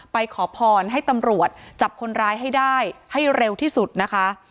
ขอพรให้ตำรวจจับคนร้ายให้ได้ให้เร็วที่สุดนะคะ